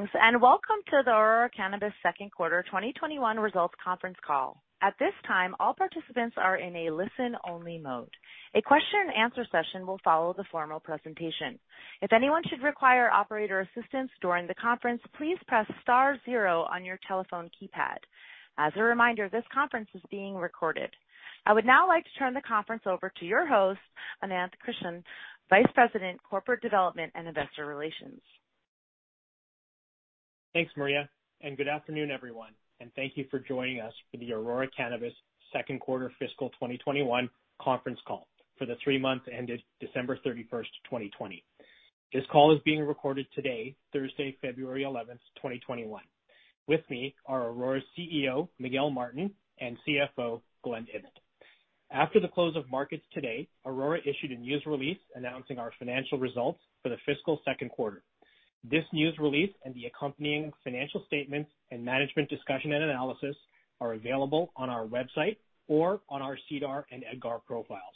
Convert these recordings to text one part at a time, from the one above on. Greetings and welcome to the Aurora Cannabis Second Quarter 2021 Results Conference call. At this time, all participants are in a listen-only mode. A question-and-answer session will follow the formal presentation. If anyone should require operator assistance during the conference, please press star zero on your telephone keypad. As a reminder, this conference is being recorded. I would now like to turn the conference over to your host, Ananth Krishnan, Vice President, Corporate Development and Investor Relations. Thanks, Maria, and good afternoon, everyone. Thank you for joining us for the Aurora Cannabis Second Quarter Fiscal 2021 Conference call for the three months ended December 31st, 2020. This call is being recorded today, Thursday, February 11th, 2021. With me are Aurora CEO, Miguel Martin, and CFO, Glen Ibbott. After the close of markets today, Aurora issued a news release announcing our financial results for the fiscal second quarter. This news release and the accompanying financial statements and management discussion and analysis are available on our website or on our SEDAR and EDGAR profiles.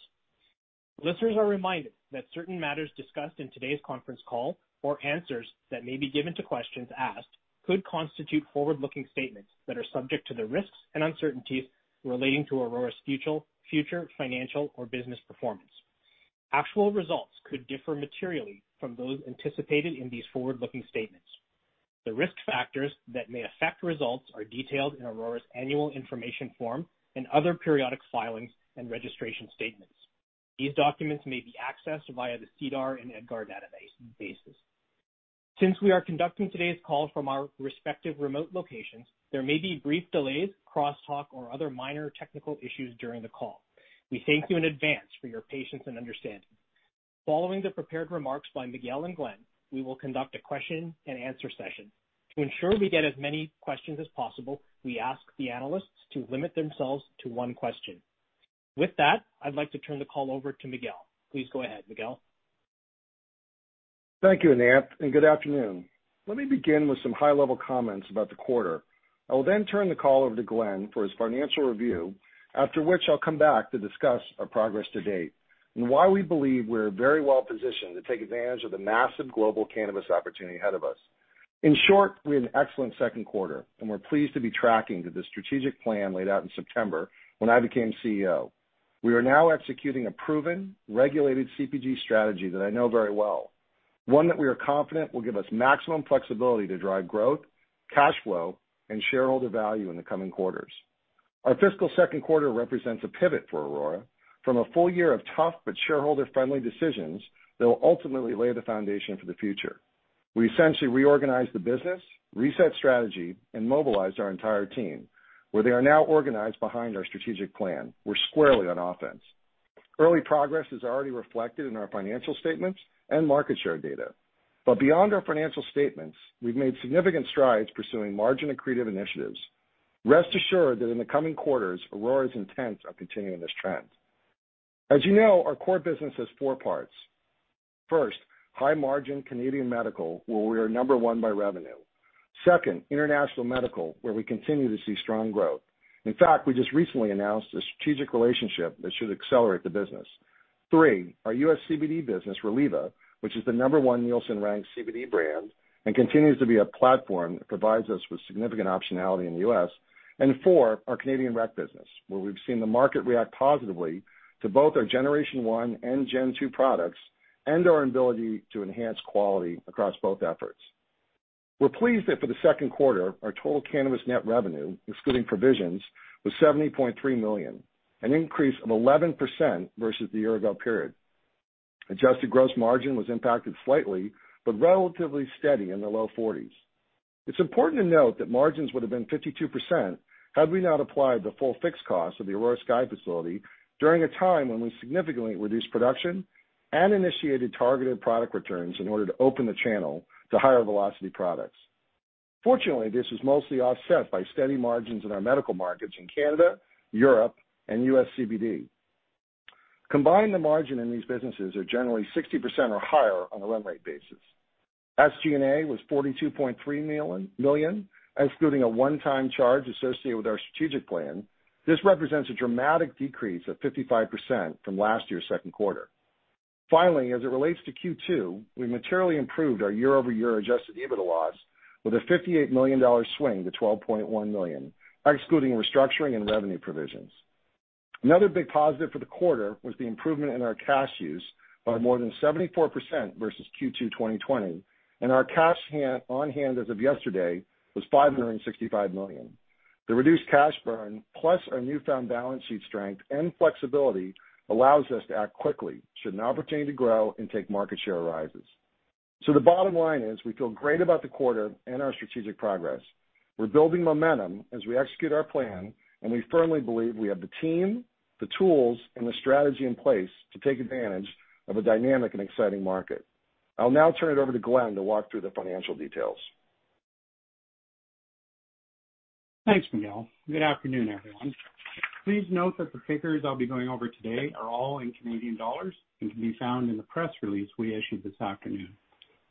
Listeners are reminded that certain matters discussed in today's conference call or answers that may be given to questions asked could constitute forward-looking statements that are subject to the risks and uncertainties relating to Aurora's future financial or business performance. Actual results could differ materially from those anticipated in these forward-looking statements. The risk factors that may affect results are detailed in Aurora's annual information form and other periodic filings and registration statements. These documents may be accessed via the SEDAR and EDGAR databases. Since we are conducting today's call from our respective remote locations, there may be brief delays, cross-talk, or other minor technical issues during the call. We thank you in advance for your patience and understanding. Following the prepared remarks by Miguel and Glen, we will conduct a question-and-answer session. To ensure we get as many questions as possible, we ask the analysts to limit themselves to one question. With that, I'd like to turn the call over to Miguel. Please go ahead, Miguel. Thank you, Ananth, and good afternoon. Let me begin with some high-level comments about the quarter. I will then turn the call over to Glen for his financial review, after which I'll come back to discuss our progress to date and why we believe we're very well positioned to take advantage of the massive global cannabis opportunity ahead of us. In short, we had an excellent second quarter, and we're pleased to be tracking to the strategic plan laid out in September when I became CEO. We are now executing a proven, regulated CPG strategy that I know very well, one that we are confident will give us maximum flexibility to drive growth, cash flow, and shareholder value in the coming quarters. Our fiscal second quarter represents a pivot for Aurora from a full year of tough but shareholder-friendly decisions that will ultimately lay the foundation for the future. We essentially reorganized the business, reset strategy, and mobilized our entire team. Where they are now organized behind our strategic plan, we're squarely on offense. Early progress is already reflected in our financial statements and market share data. But beyond our financial statements, we've made significant strides pursuing margin accretive initiatives. Rest assured that in the coming quarters, Aurora's intents are continuing this trend. As you know, our core business has four parts. First, high-margin Canadian medical, where we are number one by revenue. Second, international medical, where we continue to see strong growth. In fact, we just recently announced a strategic relationship that should accelerate the business. Three, our US CBD business, Reliva, which is the number one Nielsen-ranked CBD brand and continues to be a platform that provides us with significant optionality in the US. Four, our Canadian rec business, where we've seen the market react positively to both our Generation One and Gen Two products and our ability to enhance quality across both efforts. We're pleased that for the second quarter, our total cannabis net revenue, excluding provisions, was 70.3 million, an increase of 11% versus the year-ago period. Adjusted gross margin was impacted slightly, but relatively steady in the low 40s. It's important to note that margins would have been 52% had we not applied the full fixed cost of the Aurora Sky facility during a time when we significantly reduced production and initiated targeted product returns in order to open the channel to higher velocity products. Fortunately, this was mostly offset by steady margins in our medical markets in Canada, Europe, and U.S. CBD. Combined, the margin in these businesses is generally 60% or higher on a run rate basis. SG&A was 42.3 million, excluding a one-time charge associated with our strategic plan. This represents a dramatic decrease of 55% from last year's second quarter. Finally, as it relates to Q2, we materially improved our year-over-year adjusted EBITDA loss with a 58 million dollar swing to 12.1 million, excluding restructuring and revenue provisions. Another big positive for the quarter was the improvement in our cash use by more than 74% versus Q2 2020, and our cash on hand as of yesterday was 565 million. The reduced cash burn, plus our newfound balance sheet strength and flexibility, allows us to act quickly should an opportunity arise to take market share. The bottom line is we feel great about the quarter and our strategic progress. We're building momentum as we execute our plan, and we firmly believe we have the team, the tools, and the strategy in place to take advantage of a dynamic and exciting market. I'll now turn it over to Glen to walk through the financial details. Thanks, Miguel. Good afternoon, everyone. Please note that the figures I'll be going over today are all in Canadian dollars and can be found in the press release we issued this afternoon.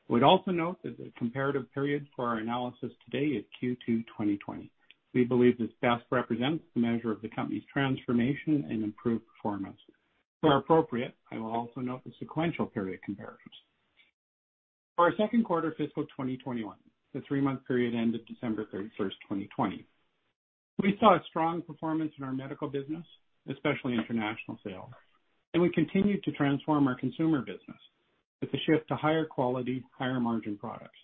We'd also note that the comparative period for our analysis today is Q2 2020. We believe this best represents the measure of the company's transformation and improved performance. If appropriate, I will also note the sequential period comparisons. For our second quarter fiscal 2021, the three-month period ended December 31st, 2020. We saw a strong performance in our medical business, especially international sales, and we continued to transform our consumer business with a shift to higher quality, higher margin products.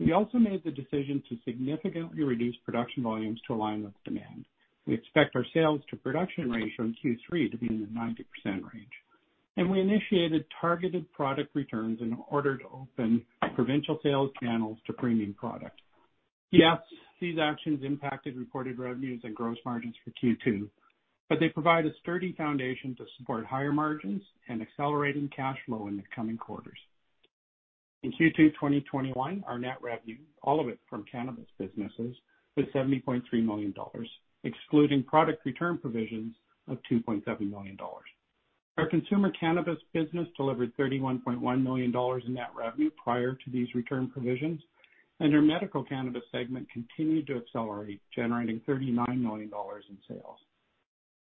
We also made the decision to significantly reduce production volumes to align with demand. We expect our sales-to-production ratio in Q3 to be in the 90% range, and we initiated targeted product returns in order to open provincial sales channels to premium product. Yes, these actions impacted reported revenues and gross margins for Q2, but they provide a sturdy foundation to support higher margins and accelerating cash flow in the coming quarters. In Q2 2021, our net revenue, all of it from cannabis businesses, was 70.3 million dollars, excluding product return provisions of 2.7 million dollars. Our consumer cannabis business delivered 31.1 million dollars in net revenue prior to these return provisions, and our medical cannabis segment continued to accelerate, generating 39 million dollars in sales.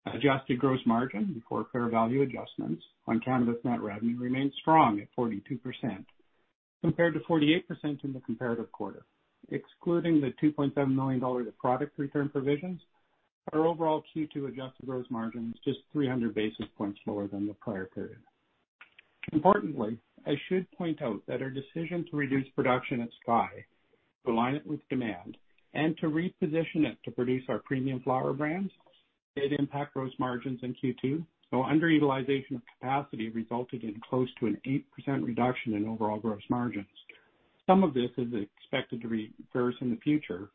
Adjusted gross margin before fair value adjustments on cannabis net revenue remained strong at 42%, compared to 48% in the comparative quarter. Excluding the 2.7 million dollars in product return provisions, our overall Q2 adjusted gross margin was just 300 basis points lower than the prior period. Importantly, I should point out that our decision to reduce production at Sky to align it with demand and to reposition it to produce our premium flower brands did impact gross margins in Q2, though underutilization of capacity resulted in close to an 8% reduction in overall gross margins. Some of this is expected to reverse in the future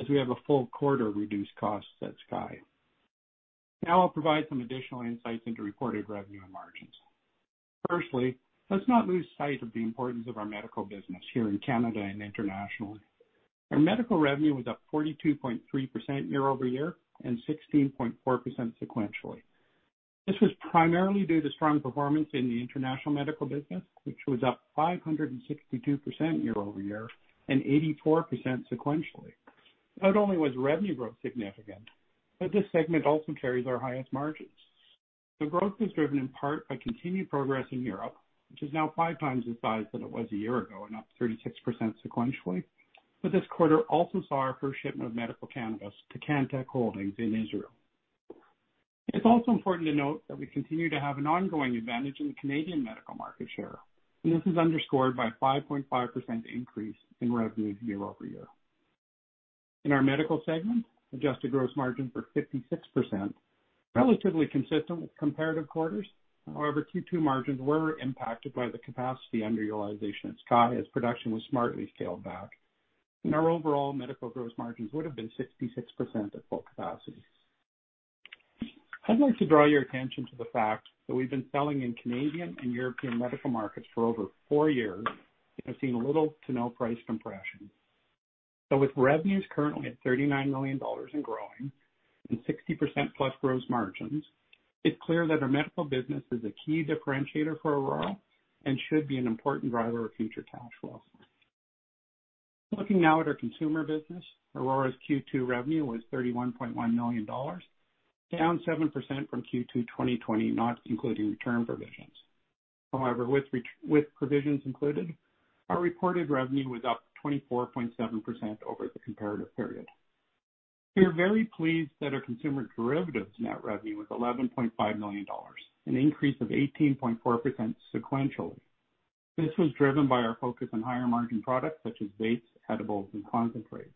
as we have a full quarter reduced costs at Sky. Now I'll provide some additional insights into reported revenue and margins. Firstly, let's not lose sight of the importance of our medical business here in Canada and internationally. Our medical revenue was up 42.3% year-over-year and 16.4% sequentially. This was primarily due to strong performance in the international medical business, which was up 562% year-over-year and 84% sequentially. Not only was revenue growth significant, but this segment also carries our highest margins. The growth was driven in part by continued progress in Europe, which is now five times the size that it was a year ago and up 36% sequentially. But this quarter also saw our first shipment of medical cannabis to Cantek Holdings in Israel. It's also important to note that we continue to have an ongoing advantage in the Canadian medical market share, and this is underscored by a 5.5% increase in revenue year-over-year. In our medical segment, adjusted gross margin for 56%, relatively consistent with comparative quarters. However, Q2 margins were impacted by the capacity underutilization at Sky as production was smartly scaled back, and our overall medical gross margins would have been 66% at full capacity. I'd like to draw your attention to the fact that we've been selling in Canadian and European medical markets for over four years and have seen little to no price compression. So with revenues currently at 39 million dollars and growing and 60% plus gross margins, it's clear that our medical business is a key differentiator for Aurora and should be an important driver of future cash flow. Looking now at our consumer business, Aurora's Q2 revenue was 31.1 million dollars, down 7% from Q2 2020, not including return provisions. However, with provisions included, our reported revenue was up 24.7% over the comparative period. We are very pleased that our consumer derivatives net revenue was 11.5 million dollars, an increase of 18.4% sequentially. This was driven by our focus on higher margin products such as vapes, edibles, and concentrates.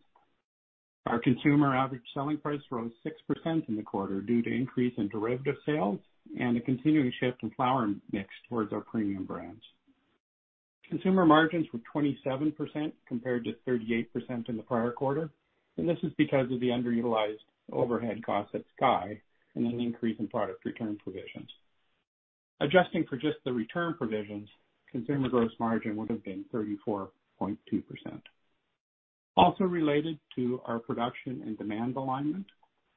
Our consumer average selling price rose 6% in the quarter due to an increase in derivative sales and a continuing shift in flower mix towards our premium brands. Consumer margins were 27% compared to 38% in the prior quarter, and this is because of the underutilized overhead costs at Sky and an increase in product return provisions. Adjusting for just the return provisions, consumer gross margin would have been 34.2%. Also related to our production and demand alignment,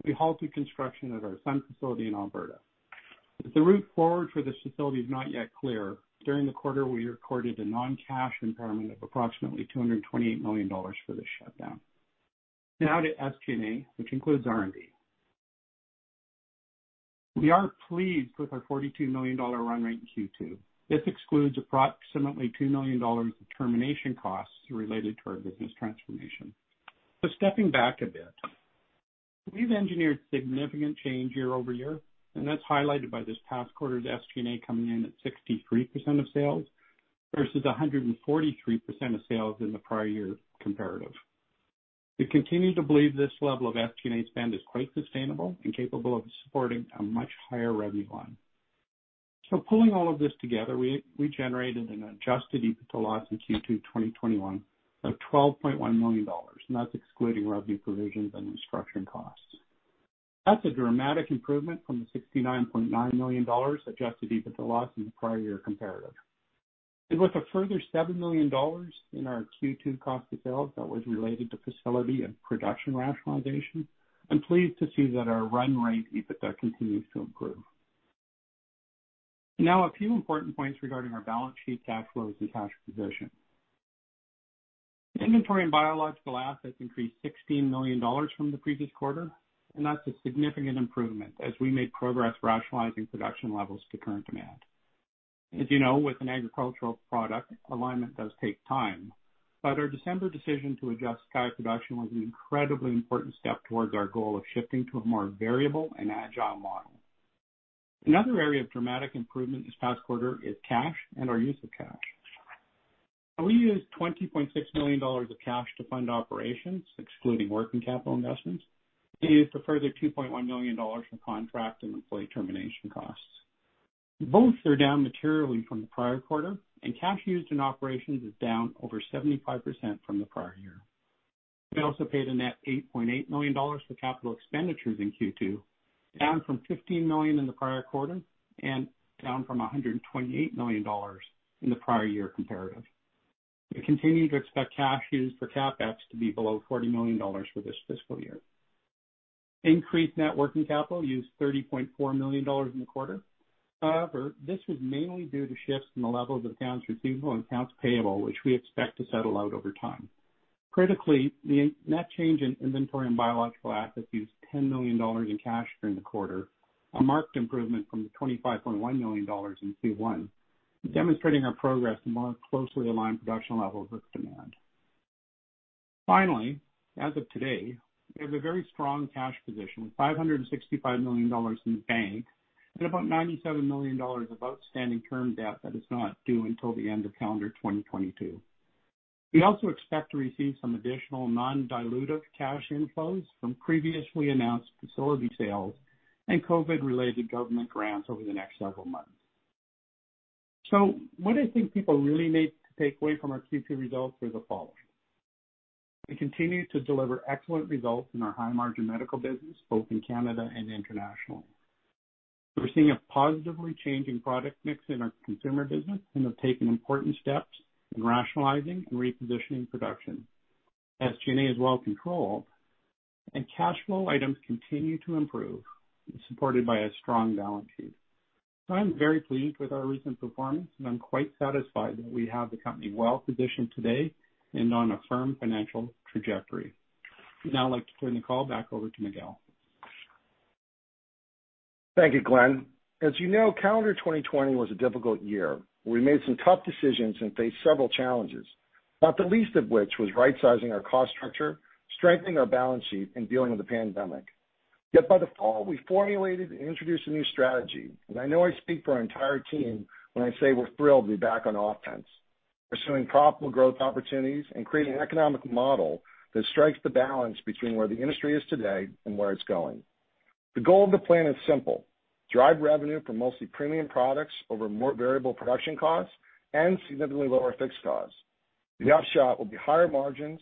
we halted construction at our Sun facility in Alberta. The path forward for this facility is not yet clear. During the quarter, we recorded a non-cash impairment of approximately 228 million dollars for this shutdown. Now to SG&A, which includes R&D. We are pleased with our 42 million dollar run rate in Q2. This excludes approximately 2 million dollars of termination costs related to our business transformation. So stepping back a bit, we've engineered significant change year-over-year, and that's highlighted by this past quarter's SG&A coming in at 63% of sales versus 143% of sales in the prior year comparative. We continue to believe this level of SG&A spend is quite sustainable and capable of supporting a much higher revenue line. So pulling all of this together, we generated an adjusted EBITDA loss in Q2 2021 of CAD 12.1 million, and that's excluding revenue provisions and restructuring costs. That's a dramatic improvement from the 69.9 million dollars adjusted EBITDA loss in the prior year comparative. And with a further 7 million dollars in our Q2 cost of sales that was related to facility and production rationalization, I'm pleased to see that our run rate EBITDA continues to improve. Now, a few important points regarding our balance sheet cash flows and cash position. Inventory and biological assets increased 16 million dollars from the previous quarter, and that's a significant improvement as we made progress rationalizing production levels to current demand. As you know, with an agricultural product, alignment does take time, but our December decision to adjust Sky production was an incredibly important step towards our goal of shifting to a more variable and agile model. Another area of dramatic improvement this past quarter is cash and our use of cash. We used 20.6 million dollars of cash to fund operations, excluding working capital investments. We used a further 2.1 million dollars for contract and employee termination costs. Both are down materially from the prior quarter, and cash used in operations is down over 75% from the prior year. We also paid a net 8.8 million dollars for capital expenditures in Q2, down from 15 million in the prior quarter and down from 128 million dollars in the prior year comparative. We continue to expect cash used for CapEx to be below 40 million dollars for this fiscal year. Increased net working capital used 30.4 million dollars in the quarter. However, this was mainly due to shifts in the levels of accounts receivable and accounts payable, which we expect to settle out over time. Critically, the net change in inventory and biological assets used 10 million dollars in cash during the quarter, a marked improvement from the 25.1 million dollars in Q1, demonstrating our progress to more closely align production levels with demand. Finally, as of today, we have a very strong cash position with 565 million dollars in the bank and about 97 million dollars of outstanding term debt that is not due until the end of calendar 2022. We also expect to receive some additional non-dilutive cash inflows from previously announced facility sales and COVID-related government grants over the next several months. So what I think people really need to take away from our Q2 results are the following. We continue to deliver excellent results in our high-margin medical business, both in Canada and internationally. We're seeing a positively changing product mix in our consumer business and have taken important steps in rationalizing and repositioning production. SG&A is well controlled, and cash flow items continue to improve, supported by a strong balance sheet. So I'm very pleased with our recent performance, and I'm quite satisfied that we have the company well positioned today and on a firm financial trajectory. I'd now like to turn the call back over to Miguel. Thank you, Glen. As you know, calendar 2020 was a difficult year. We made some tough decisions and faced several challenges, not the least of which was right-sizing our cost structure, strengthening our balance sheet, and dealing with the pandemic. Yet by the fall, we formulated and introduced a new strategy, and I know I speak for our entire team when I say we're thrilled to be back on offense, pursuing profitable growth opportunities and creating an economic model that strikes the balance between where the industry is today and where it's going. The goal of the plan is simple: drive revenue from mostly premium products over more variable production costs and significantly lower fixed costs. The upshot will be higher margins,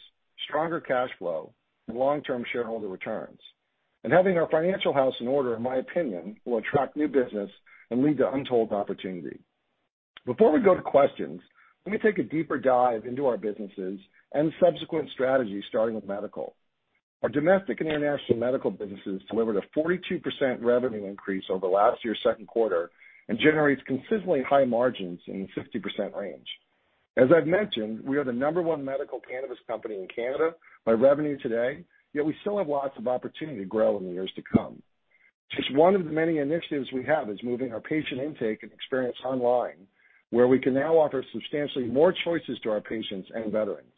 stronger cash flow, and long-term shareholder returns. And having our financial house in order, in my opinion, will attract new business and lead to untold opportunity. Before we go to questions, let me take a deeper dive into our businesses and subsequent strategies, starting with medical. Our domestic and international medical businesses delivered a 42% revenue increase over last year's second quarter and generate consistently high margins in the 50% range. As I've mentioned, we are the number one medical cannabis company in Canada by revenue today, yet we still have lots of opportunity to grow in the years to come. Just one of the many initiatives we have is moving our patient intake and experience online, where we can now offer substantially more choices to our patients and veterans.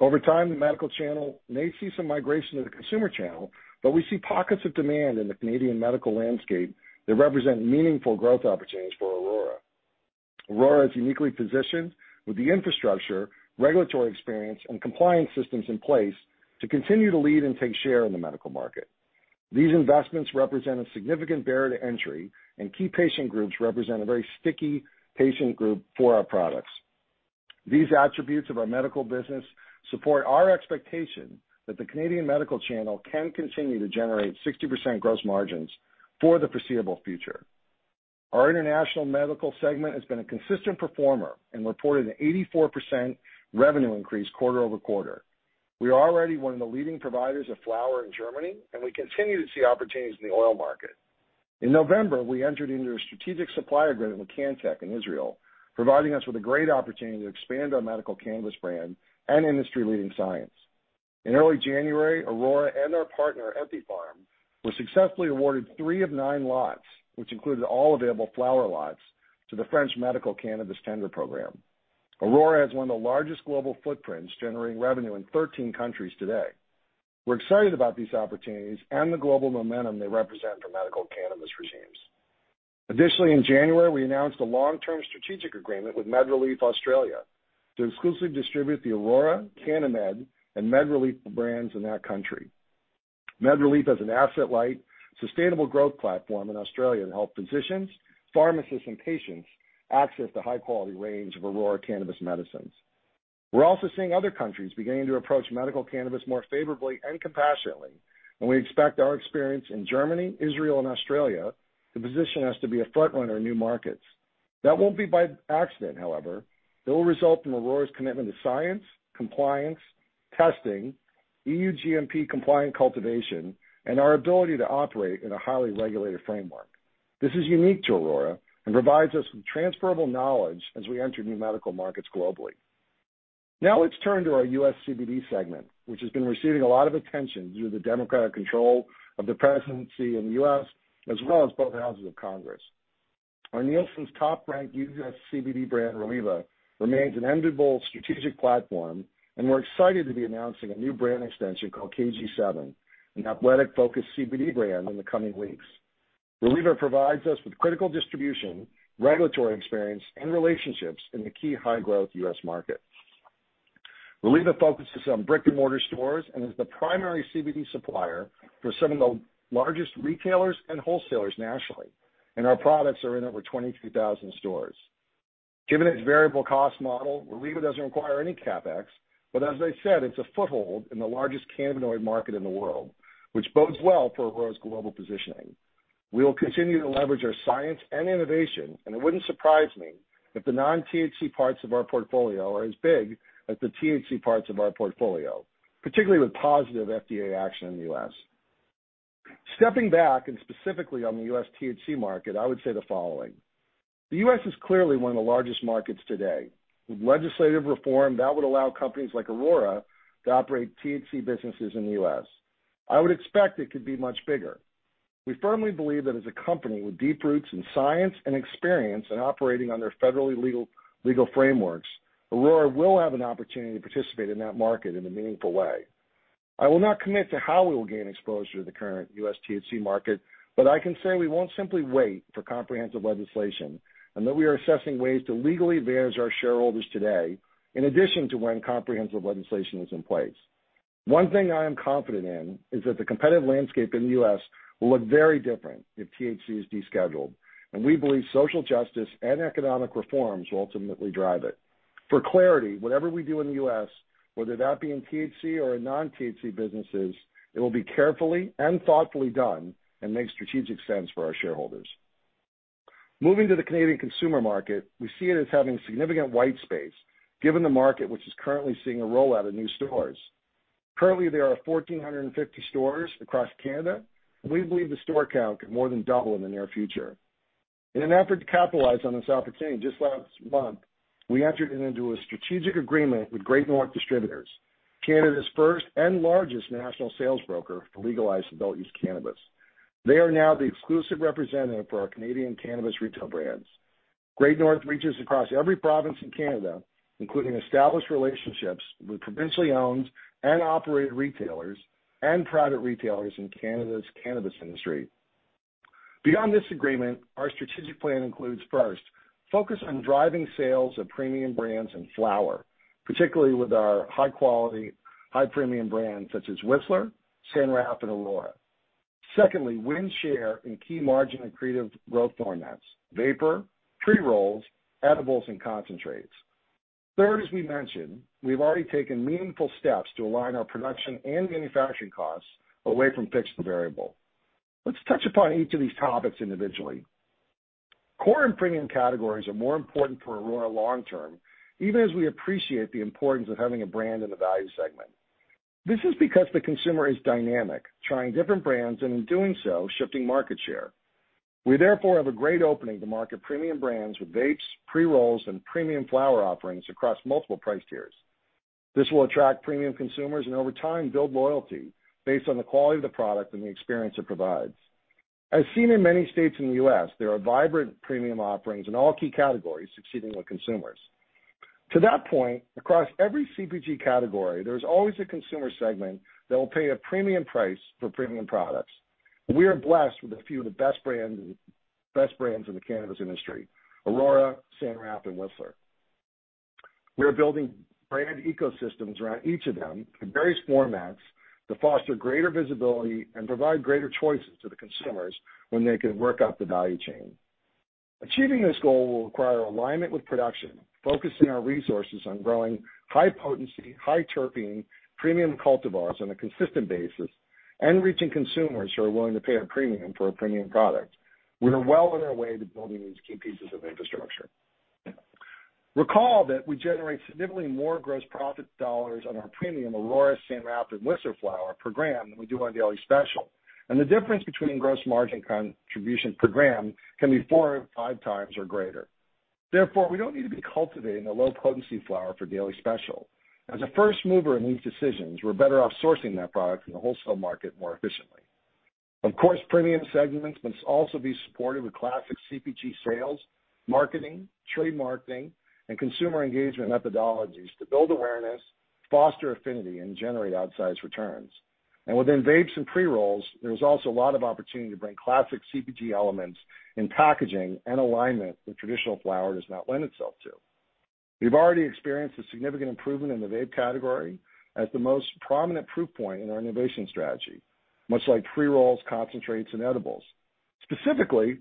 Over time, the medical channel may see some migration to the consumer channel, but we see pockets of demand in the Canadian medical landscape that represent meaningful growth opportunities for Aurora. Aurora is uniquely positioned with the infrastructure, regulatory experience, and compliance systems in place to continue to lead and take share in the medical market. These investments represent a significant barrier to entry, and key patient groups represent a very sticky patient group for our products. These attributes of our medical business support our expectation that the Canadian medical channel can continue to generate 60% gross margins for the foreseeable future. Our international medical segment has been a consistent performer and reported an 84% revenue increase quarter over quarter. We are already one of the leading providers of flower in Germany, and we continue to see opportunities in the oil market. In November, we entered into a strategic supplier agreement with Cantek in Israel, providing us with a great opportunity to expand our medical cannabis brand and industry-leading science. In early January, Aurora and our partner, Ethypharm, were successfully awarded three of nine lots, which included all available flower lots, to the French medical cannabis tender program. Aurora has one of the largest global footprints, generating revenue in 13 countries today. We're excited about these opportunities and the global momentum they represent for medical cannabis regimes. Additionally, in January, we announced a long-term strategic agreement with MedReleaf Australia to exclusively distribute the Aurora, CanniMed, and MedReleaf brands in that country. MedReleaf is an asset-light, sustainable growth platform in Australia to help physicians, pharmacists, and patients access the high-quality range of Aurora cannabis medicines. We're also seeing other countries beginning to approach medical cannabis more favorably and compassionately, and we expect our experience in Germany, Israel, and Australia to position us to be a front-runner in new markets. That won't be by accident, however. It will result from Aurora's commitment to science, compliance, testing, EU GMP-compliant cultivation, and our ability to operate in a highly regulated framework. This is unique to Aurora and provides us with transferable knowledge as we enter new medical markets globally. Now let's turn to our US CBD segment, which has been receiving a lot of attention due to the Democratic control of the presidency in the US, as well as both houses of Congress. Our Nielsen's top-ranked US CBD brand, Reliva, remains an enviable strategic platform, and we're excited to be announcing a new brand extension called KG7, an athletic-focused CBD brand in the coming weeks. Reliva provides us with critical distribution, regulatory experience, and relationships in the key high-growth US market. Reliva focuses on brick-and-mortar stores and is the primary CBD supplier for some of the largest retailers and wholesalers nationally, and our products are in over 23,000 stores. Given its variable cost model, Reliva doesn't require any CapEx, but as I said, it's a foothold in the largest cannabinoid market in the world, which bodes well for Aurora's global positioning. We will continue to leverage our science and innovation, and it wouldn't surprise me if the non-THC parts of our portfolio are as big as the THC parts of our portfolio, particularly with positive FDA action in the U.S. Stepping back and specifically on the U.S. THC market, I would say the following. The U.S. is clearly one of the largest markets today. With legislative reform, that would allow companies like Aurora to operate THC businesses in the U.S. I would expect it could be much bigger. We firmly believe that as a company with deep roots in science and experience and operating under federally legal frameworks, Aurora will have an opportunity to participate in that market in a meaningful way. I will not commit to how we will gain exposure to the current U.S. THC market, but I can say we won't simply wait for comprehensive legislation and that we are assessing ways to legally advance our shareholders today in addition to when comprehensive legislation is in place. One thing I am confident in is that the competitive landscape in the U.S. will look very different if THC is descheduled, and we believe social justice and economic reforms will ultimately drive it. For clarity, whatever we do in the U.S., whether that be in THC or in non-THC businesses, it will be carefully and thoughtfully done and make strategic sense for our shareholders. Moving to the Canadian consumer market, we see it as having significant white space given the market, which is currently seeing a rollout of new stores. Currently, there are 1,450 stores across Canada, and we believe the store count could more than double in the near future. In an effort to capitalize on this opportunity, just last month, we entered into a strategic agreement with Great North Distributors, Canada's first and largest national sales broker for legalized adult-use cannabis. They are now the exclusive representative for our Canadian cannabis retail brands. Great North reaches across every province in Canada, including established relationships with provincially owned and operated retailers and private retailers in Canada's cannabis industry. Beyond this agreement, our strategic plan includes, first, focus on driving sales of premium brands and flower, particularly with our high-quality, high-premium brands such as Whistler, San Raf, and Aurora. Secondly, win share in key margin-accretive growth formats: vapor, pre-rolls, edibles, and concentrates. Third, as we mentioned, we've already taken meaningful steps to align our production and manufacturing costs away from fixed and variable. Let's touch upon each of these topics individually. Core and premium categories are more important for Aurora long-term, even as we appreciate the importance of having a brand in the value segment. This is because the consumer is dynamic, trying different brands and, in doing so, shifting market share. We, therefore, have a great opening to market premium brands with vapes, pre-rolls, and premium flower offerings across multiple price tiers. This will attract premium consumers and, over time, build loyalty based on the quality of the product and the experience it provides. As seen in many states in the U.S., there are vibrant premium offerings in all key categories succeeding with consumers. To that point, across every CPG category, there is always a consumer segment that will pay a premium price for premium products. We are blessed with a few of the best brands in the cannabis industry: Aurora, San Rafael, and Whistler. We are building brand ecosystems around each of them in various formats to foster greater visibility and provide greater choices to the consumers when they can work up the value chain. Achieving this goal will require alignment with production, focusing our resources on growing high-potency, high-terpene, premium cultivars on a consistent basis and reaching consumers who are willing to pay a premium for a premium product. We are well on our way to building these key pieces of infrastructure. Recall that we generate significantly more gross profit dollars on our premium Aurora, San Rafael, and Whistler flower per gram than we do on Daily Special, and the difference between gross margin contribution per gram can be four or five times or greater. Therefore, we don't need to be cultivating the low-potency flower for Daily Special. As a first mover in these decisions, we're better off sourcing that product from the wholesale market more efficiently. Of course, premium segments must also be supported with classic CPG sales, marketing, trade marketing, and consumer engagement methodologies to build awareness, foster affinity, and generate outsized returns. Within vapes and pre-rolls, there is also a lot of opportunity to bring classic CPG elements in packaging, and alignment with traditional flower does not lend itself to. We've already experienced a significant improvement in the vape category as the most prominent proof point in our innovation strategy, much like pre-rolls, concentrates, and edibles. Specifically,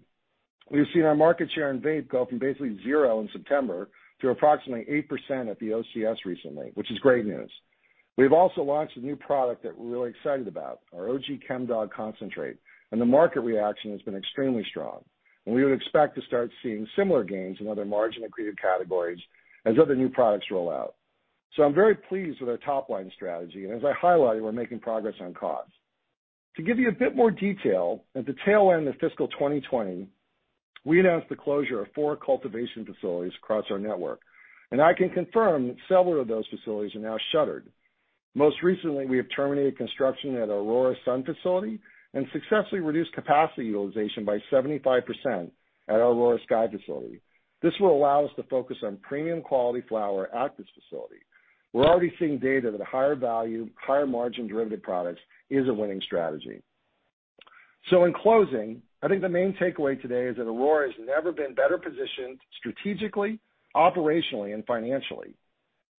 we've seen our market share in vape go from basically zero in September to approximately 8% at the OCS recently, which is great news. We've also launched a new product that we're really excited about, our OG Chemdawg concentrate, and the market reaction has been extremely strong. And we would expect to start seeing similar gains in other margin-accretive categories as other new products roll out. So I'm very pleased with our top-line strategy, and as I highlighted, we're making progress on costs. To give you a bit more detail, at the tail end of fiscal 2020, we announced the closure of four cultivation facilities across our network, and I can confirm that several of those facilities are now shuttered. Most recently, we have terminated construction at our Aurora Sun facility and successfully reduced capacity utilization by 75% at our Aurora Sky facility. This will allow us to focus on premium-quality flower at this facility. We're already seeing data that a higher value, higher margin-driven product is a winning strategy. So in closing, I think the main takeaway today is that Aurora has never been better positioned strategically, operationally, and financially.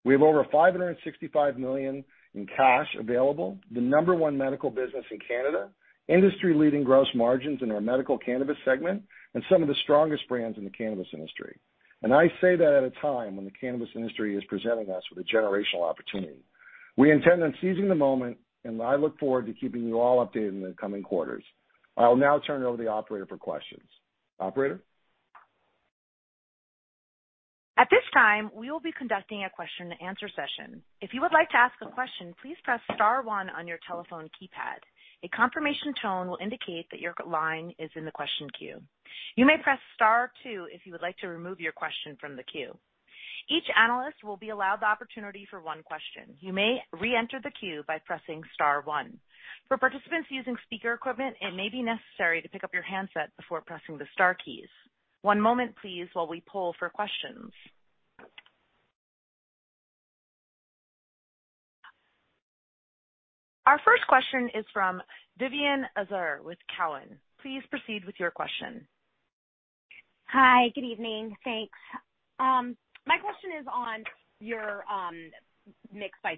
We have over 565 million in cash available, the number one medical business in Canada, industry-leading gross margins in our medical cannabis segment, and some of the strongest brands in the cannabis industry. And I say that at a time when the cannabis industry is presenting us with a generational opportunity. We intend on seizing the moment, and I look forward to keeping you all updated in the coming quarters. I will now turn it over to the operator for questions. Operator. At this time, we will be conducting a question-and-answer session. If you would like to ask a question, please press Star 1 on your telephone keypad. A confirmation tone will indicate that your line is in the question queue. You may press Star 2 if you would like to remove your question from the queue. Each analyst will be allowed the opportunity for one question. You may re-enter the queue by pressing Star 1. For participants using speaker equipment, it may be necessary to pick up your handset before pressing the Star keys. One moment, please, while we pull for questions. Our first question is from Vivien Azer with Cowen. Please proceed with your question. Hi. Good evening. Thanks. My question is on your medical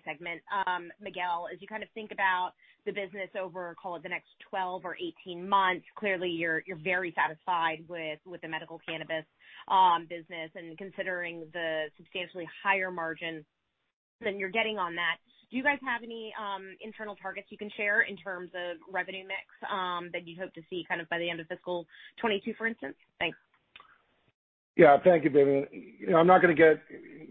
segment. Miguel, as you kind of think about the business over, call it, the next 12 or 18 months, clearly you're very satisfied with the medical cannabis business. And considering the substantially higher margin that you're getting on that, do you guys have any internal targets you can share in terms of revenue mix that you hope to see kind of by the end of fiscal 2022, for instance? Thanks. Yeah. Thank you, Vivien. I'm not going to get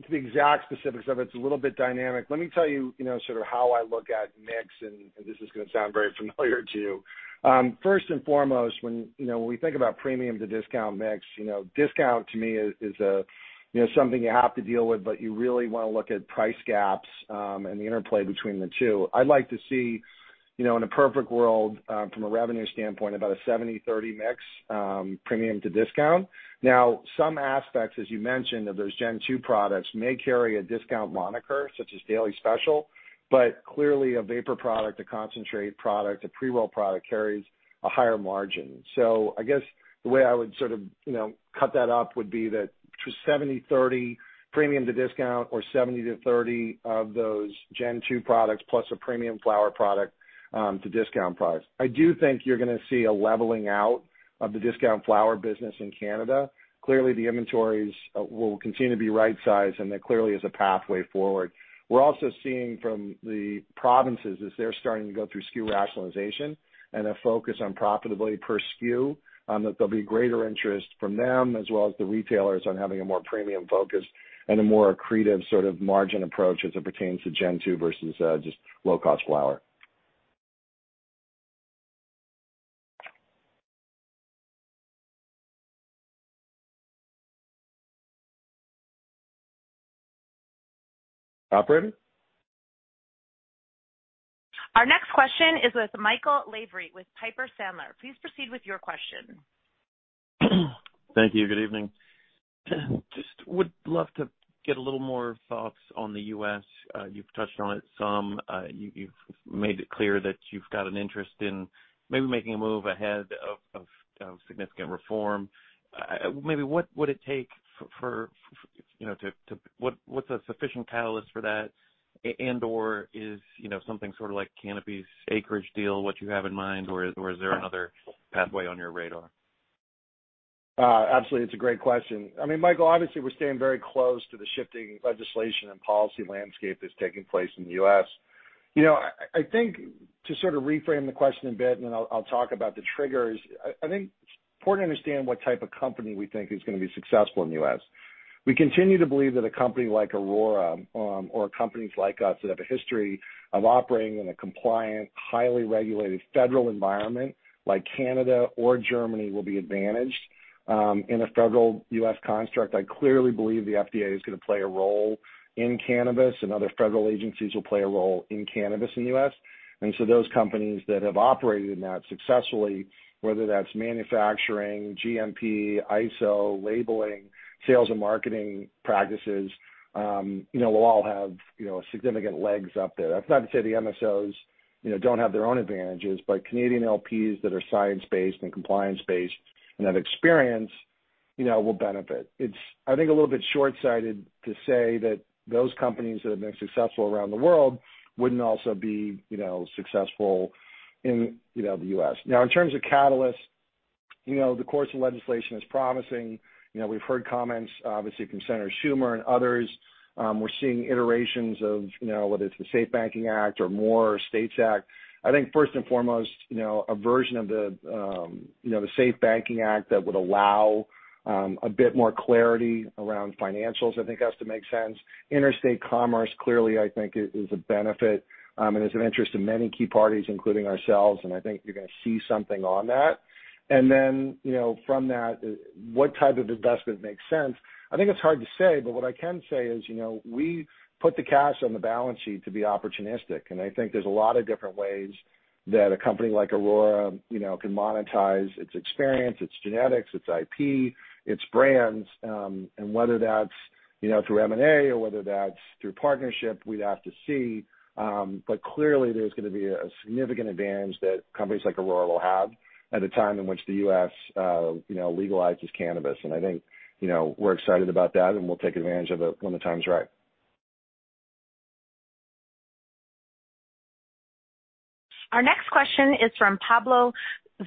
to the exact specifics of it. It's a little bit dynamic. Let me tell you sort of how I look at mix, and this is going to sound very familiar to you. First and foremost, when we think about premium-to-discount mix, discount to me is something you have to deal with, but you really want to look at price gaps and the interplay between the two. I'd like to see, in a perfect world, from a revenue standpoint, about a 70/30 mix premium-to-discount. Now, some aspects, as you mentioned, of those Gen 2 products may carry a discount moniker such as Daily Special, but clearly a vapor product, a concentrate product, a pre-roll product carries a higher margin. So I guess the way I would sort of cut that up would be that 70/30 premium-to-discount or 70 to 30 of those Gen 2 products plus a premium flower product to discount price. I do think you're going to see a leveling out of the discount flower business in Canada. Clearly, the inventories will continue to be right-sized, and there clearly is a pathway forward. We're also seeing from the provinces as they're starting to go through SKU rationalization and a focus on profitability per SKU that there'll be greater interest from them as well as the retailers on having a more premium focus and a more accretive sort of margin approach as it pertains to Gen 2 versus just low-cost flower. Operator? Our next question is with Michael Lavery with Piper Sandler. Please proceed with your question. Thank you. Good evening. Just would love to get a little more thoughts on the U.S. You've touched on it some. You've made it clear that you've got an interest in maybe making a move ahead of significant reform. Maybe what would it take to what's a sufficient catalyst for that? And/or is something sort of like Canopy's, Acreage deal what you have in mind, or is there another pathway on your radar? Absolutely. It's a great question. I mean, Michael, obviously, we're staying very close to the shifting legislation and policy landscape that's taking place in the U.S. I think to sort of reframe the question a bit, and then I'll talk about the triggers, I think it's important to understand what type of company we think is going to be successful in the U.S. We continue to believe that a company like Aurora or companies like us that have a history of operating in a compliant, highly regulated federal environment like Canada or Germany will be advantaged in a federal U.S. construct. I clearly believe the FDA is going to play a role in cannabis, and other federal agencies will play a role in cannabis in the U.S. Those companies that have operated in that successfully, whether that's manufacturing, GMP, ISO, labeling, sales, and marketing practices, will all have significant legs up there. That's not to say the MSOs don't have their own advantages, but Canadian LPs that are science-based and compliance-based and have experience will benefit. It's, I think, a little bit short-sighted to say that those companies that have been successful around the world wouldn't also be successful in the U.S. Now, in terms of catalysts, the course of legislation is promising. We've heard comments, obviously, from Senator Schumer and others. We're seeing iterations of whether it's the SAFE Banking Act or MORE or STATES Act. I think, first and foremost, a version of the SAFE Banking Act that would allow a bit more clarity around financials, I think, has to make sense. Interstate commerce, clearly, I think, is a benefit and is of interest to many key parties, including ourselves, and I think you're going to see something on that. And then from that, what type of investment makes sense? I think it's hard to say, but what I can say is we put the cash on the balance sheet to be opportunistic. And I think there's a lot of different ways that a company like Aurora can monetize its experience, its genetics, its IP, its brands, and whether that's through M&A or whether that's through partnership, we'd have to see. But clearly, there's going to be a significant advantage that companies like Aurora will have at a time in which the U.S. legalizes cannabis. And I think we're excited about that, and we'll take advantage of it when the time is right. Our next question is from Pablo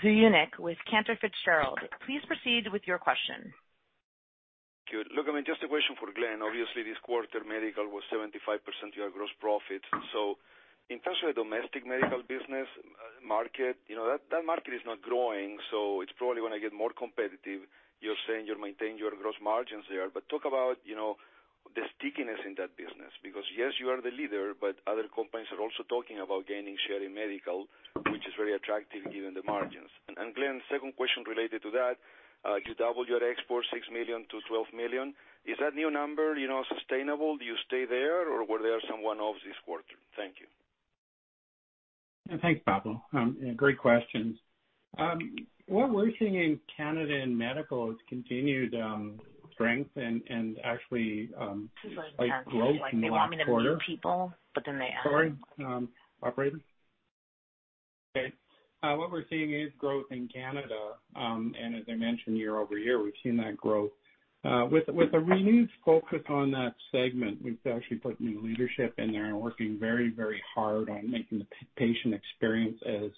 Zuanic with Cantor Fitzgerald. Please proceed with your question. Good. Look, I mean, just a question for Glen. Obviously, this quarter, medical was 75% of your gross profit. So in terms of the domestic medical business market, that market is not growing, so it's probably going to get more competitive. You're saying you're maintaining your gross margins there. But talk about the stickiness in that business because, yes, you are the leader, but other companies are also talking about gaining share in medical, which is very attractive given the margins. And Glen, second question related to that, you doubled your exports, 6 million-12 million. Is that new number sustainable? Do you stay there or were there some one-offs this quarter? Thank you. Thanks, Pablo. Great questions. What we're seeing in Canada and medical is continued strength and actually growth in the quarter. Sorry? Operator? Okay. What we're seeing is growth in Canada, and as I mentioned, year over year, we've seen that growth. With a renewed focus on that segment, we've actually put new leadership in there and working very, very hard on making the patient experience as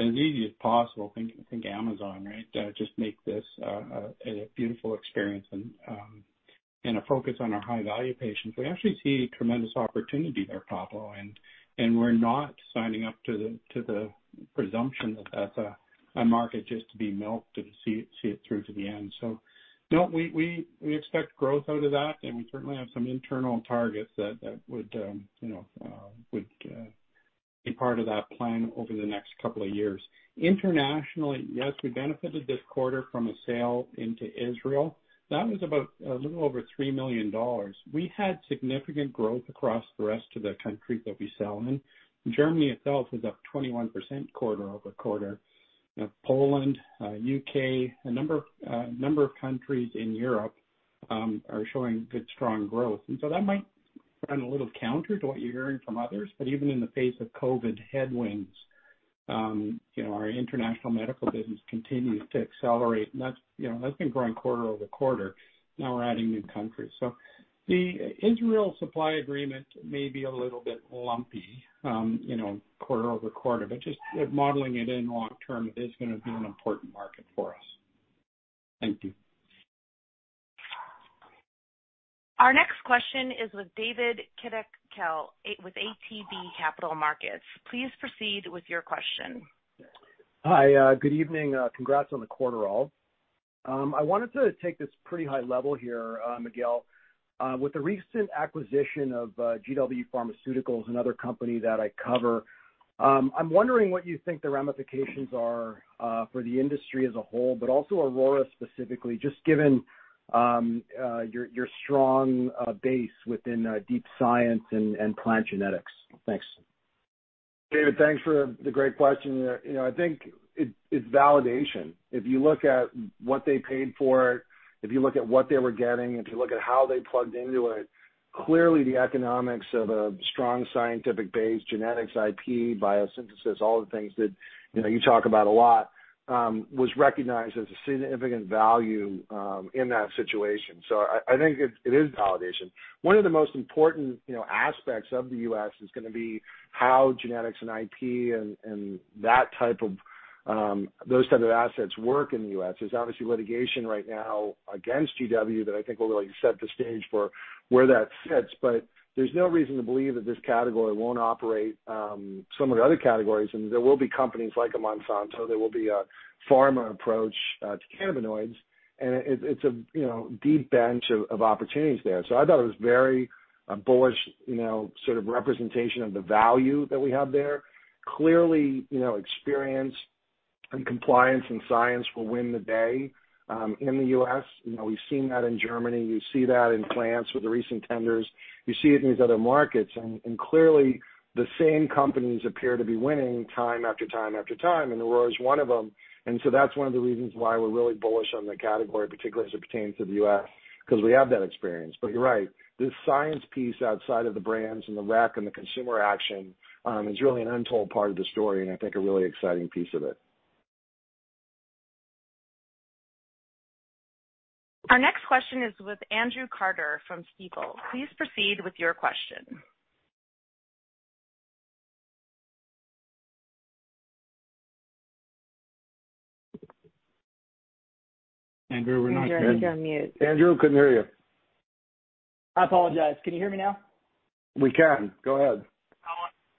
easy as possible. Think Amazon, right? Just make this a beautiful experience and a focus on our high-value patients. We actually see tremendous opportunity there, Pablo, and we're not signing up to the presumption that that's a market just to be milked and see it through to the end. So no, we expect growth out of that, and we certainly have some internal targets that would be part of that plan over the next couple of years. Internationally, yes, we benefited this quarter from a sale into Israel. That was about a little over 3 million dollars. We had significant growth across the rest of the country that we sell in. Germany itself was up 21% quarter over quarter. Poland, U.K., a number of countries in Europe are showing good, strong growth. And so that might run a little counter to what you're hearing from others, but even in the face of COVID headwinds, our international medical business continues to accelerate, and that's been growing quarter over quarter. Now we're adding new countries. So the Israel supply agreement may be a little bit lumpy quarter over quarter, but just modeling it in long-term, it is going to be an important market for us. Thank you. Our next question is with David Kideckel with ATB Capital Markets. Please proceed with your question. Hi. Good evening. Congrats on the quarter all. I wanted to take this pretty high-level here, Miguel, with the recent acquisition of GW Pharmaceuticals and other company that I cover. I'm wondering what you think the ramifications are for the industry as a whole, but also Aurora specifically, just given your strong base within deep science and plant genetics. Thanks. David, thanks for the great question. I think it's validation. If you look at what they paid for it, if you look at what they were getting, if you look at how they plugged into it, clearly the economics of a strong scientific base, genetics, IP, biosynthesis, all the things that you talk about a lot, was recognized as a significant value in that situation. So I think it is validation. One of the most important aspects of the U.S. is going to be how genetics and IP and that type of those type of assets work in the U.S. There's obviously litigation right now against GW that I think will really set the stage for where that sits, but there's no reason to believe that this category won't operate similar to other categories, and there will be companies like Monsanto. There will be a pharma approach to cannabinoids, and it's a deep bench of opportunities there, so I thought it was very bullish sort of representation of the value that we have there. Clearly, experience and compliance and science will win the day in the U.S. We've seen that in Germany. You see that in France with the recent tenders. You see it in these other markets. And clearly, the same companies appear to be winning time after time after time, and Aurora is one of them. And so that's one of the reasons why we're really bullish on the category, particularly as it pertains to the U.S., because we have that experience. But you're right. The science piece outside of the brands and the rec and the consumer action is really an untold part of the story, and I think a really exciting piece of it. Our next question is with Andrew Carter from Stifel. Please proceed with your question. Andrew, we're not hearing you. Andrew, we couldn't hear you. I apologize. Can you hear me now? We can. Go ahead.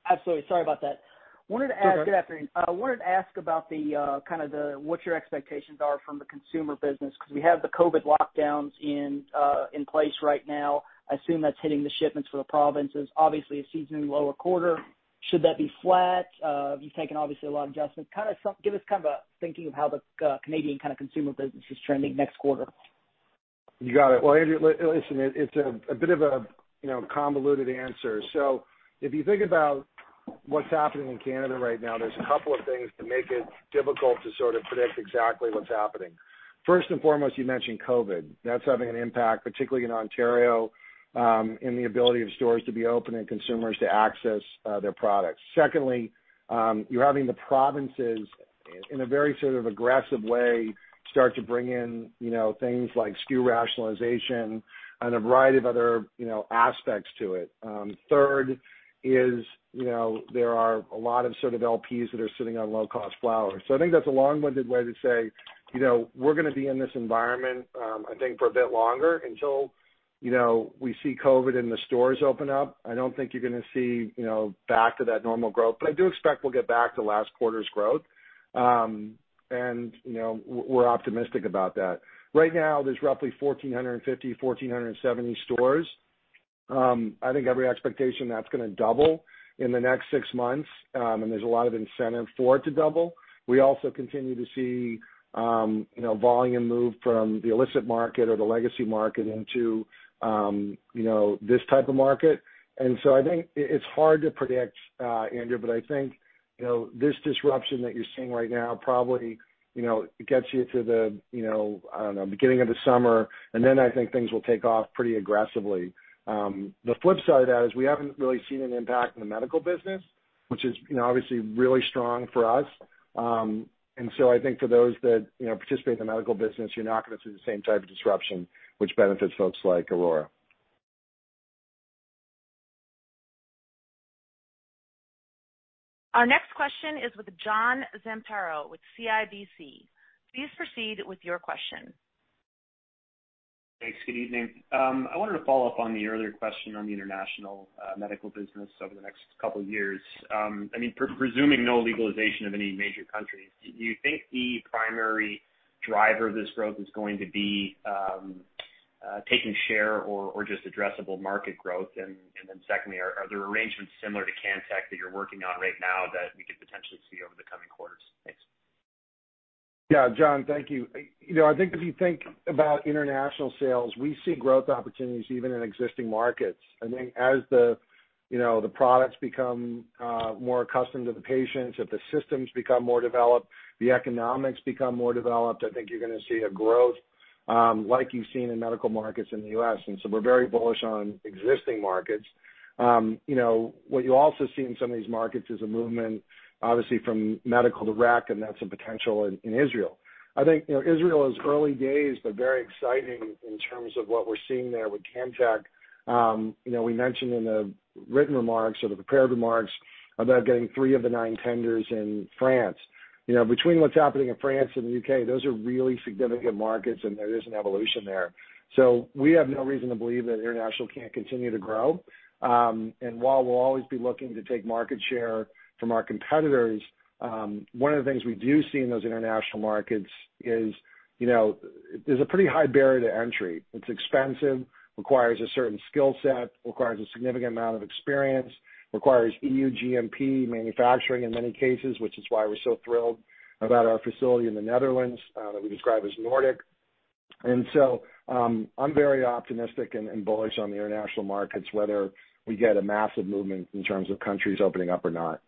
Absolutely. Sorry about that. Good afternoon. I wanted to ask about kind of what your expectations are from the consumer business because we have the COVID lockdowns in place right now. I assume that's hitting the shipments for the provinces. Obviously, a seasonally lower quarter. Should that be flat? You've taken obviously a lot of adjustments. Kind of give us kind of a thinking of how the Canadian kind of consumer business is trending next quarter. You got it. Well, Andrew, listen, it's a bit of a convoluted answer. So if you think about what's happening in Canada right now, there's a couple of things that make it difficult to sort of predict exactly what's happening. First and foremost, you mentioned COVID. That's having an impact, particularly in Ontario, in the ability of stores to be open and consumers to access their products. Secondly, you're having the provinces in a very sort of aggressive way start to bring in things like SKU rationalization and a variety of other aspects to it. Third, there are a lot of sort of LPs that are sitting on low-cost flowers. So I think that's a long-winded way to say we're going to be in this environment, I think, for a bit longer until we see COVID and the stores open up. I don't think you're going to see back to that normal growth, but I do expect we'll get back to last quarter's growth, and we're optimistic about that. Right now, there's roughly 1,450-1,470 stores. I think every expectation that's going to double in the next six months, and there's a lot of incentive for it to double. We also continue to see volume move from the illicit market or the legacy market into this type of market. And so I think it's hard to predict, Andrew, but I think this disruption that you're seeing right now probably gets you to the, I don't know, beginning of the summer, and then I think things will take off pretty aggressively. The flip side of that is we haven't really seen an impact in the medical business, which is obviously really strong for us. And so I think for those that participate in the medical business, you're not going to see the same type of disruption, which benefits folks like Aurora. Our next question is with John Zamparo with CIBC. Please proceed with your question. Thanks. Good evening. I wanted to follow up on the earlier question on the international medical business over the next couple of years. I mean, presuming no legalization of any major countries, do you think the primary driver of this growth is going to be taking share or just addressable market growth? And then secondly, are there arrangements similar to Cantek that you're working on right now that we could potentially see over the coming quarters? Thanks. Yeah, John, thank you. I think if you think about international sales, we see growth opportunities even in existing markets. I think as the products become more accustomed to the patients, if the systems become more developed, the economics become more developed, I think you're going to see a growth like you've seen in medical markets in the U.S. And so we're very bullish on existing markets. What you also see in some of these markets is a movement, obviously, from medical to rec, and that's a potential in Israel. I think Israel is early days, but very exciting in terms of what we're seeing there with Cantek. We mentioned in the written remarks, sort of prepared remarks, about getting three of the nine tenders in France. Between what's happening in France and the U.K., those are really significant markets, and there is an evolution there. So we have no reason to believe that international can't continue to grow. And while we'll always be looking to take market share from our competitors, one of the things we do see in those international markets is there's a pretty high barrier to entry. It's expensive, requires a certain skill set, requires a significant amount of experience, requires EU GMP manufacturing in many cases, which is why we're so thrilled about our facility in the Netherlands that we describe as Nordic. And so I'm very optimistic and bullish on the international markets, whether we get a massive movement in terms of countries opening up or not.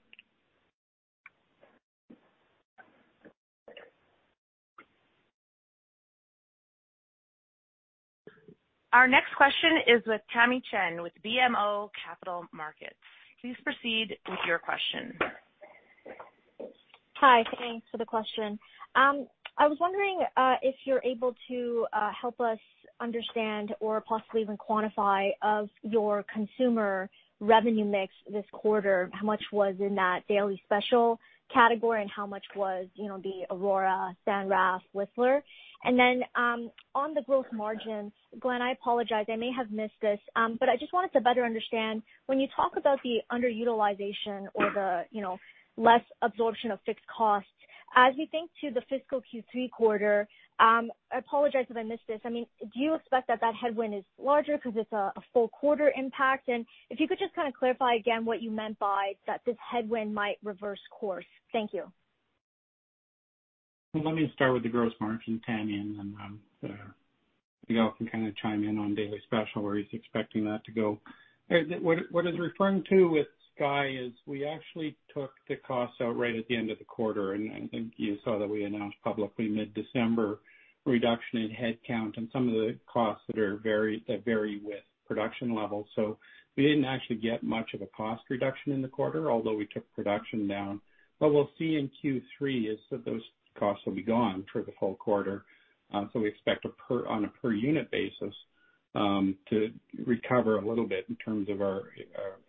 Our next question is with Tamy Chen with BMO Capital Markets. Please proceed with your question. Hi. Thanks for the question. I was wondering if you're able to help us understand or possibly even quantify of your consumer revenue mix this quarter, how much was in that Daily Special category and how much was the Aurora, San Rafael, Whistler? And then on the gross margins, Glen, I apologize, I may have missed this, but I just wanted to better understand when you talk about the underutilization or the less absorption of fixed costs, as we think to the fiscal Q3 quarter, I apologize if I missed this. I mean, do you expect that that headwind is larger because it's a full quarter impact? If you could just kind of clarify again what you meant by that this headwind might reverse course? Thank you. Let me start with the gross margin plan and then Miguel can kind of chime in on Daily Special where he's expecting that to go. What he's referring to with Sky is we actually took the costs out right at the end of the quarter, and I think you saw that we announced publicly mid-December reduction in headcount and some of the costs that vary with production levels. We didn't actually get much of a cost reduction in the quarter, although we took production down. What we'll see in Q3 is that those costs will be gone for the full quarter. We expect on a per-unit basis to recover a little bit in terms of our